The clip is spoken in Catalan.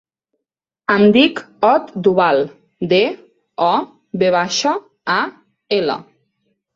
Em dic Ot Doval: de, o, ve baixa, a, ela.